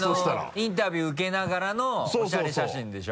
インタビュー受けながらのおしゃれ写真でしょ？